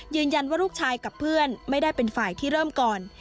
ยืนยันว่าลูกชายกับเพื่อนไม่ได้เป็นฝ่ายที่เริ่มก่อน